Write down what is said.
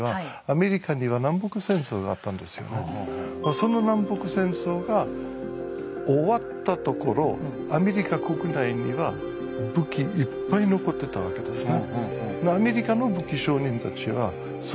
その南北戦争が終わったところアメリカ国内には武器いっぱい残ってたわけですね。